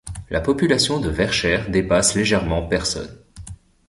La population de Verchères dépasse légèrement personnes.